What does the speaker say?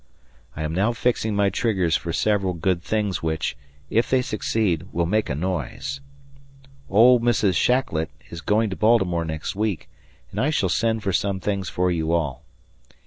I am now fixing my triggers for several good things which, if they succeed, will make a noise. Old Mrs. Shacklett is going to Baltimore next week and I shall send for some things for you all.